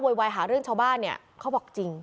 โวยวายหาเรื่องชาวบ้านเขาบอกจริง